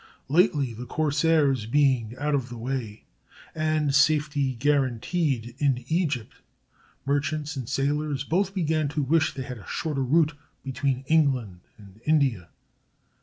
Lately, the corsairs being out of the way, and safety guaranteed in Egypt, merchants and sailors both began to wish they had a shorter route between England and India.